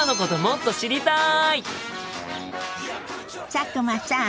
佐久間さん。